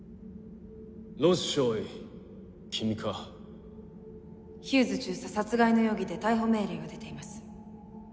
ロス少尉君かヒューズ中佐殺害の容疑で逮捕命令が出ています